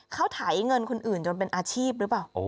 เขาไถเงินคนอื่นจนเป็นอาชีพหรือเปล่า